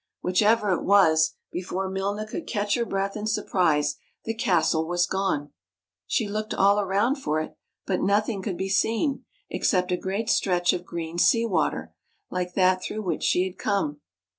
Whichever it was, before Milna could catch her breath in surprise, the castle was gone. She looked all around for it, but nothing could be seen except a great stretch of green sea water, like that through which she had come.